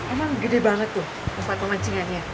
emang gede banget tuh tempat pemancingannya